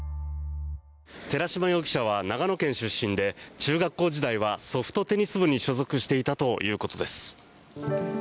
寺島容疑者は長野県出身で中学校時代はソフトテニス部に所属していたということです。